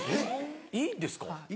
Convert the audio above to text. いいんですか？